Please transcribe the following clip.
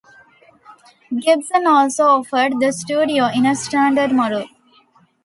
Gibson also offered the Studio in a "standard" model.